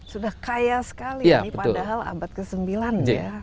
sudah kaya sekali ini padahal abad ke sembilan ya